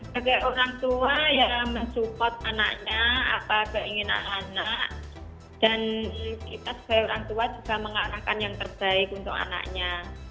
sebagai orang tua ya mensupport anaknya apa keinginan anak dan kita sebagai orang tua juga mengarahkan yang terbaik untuk anaknya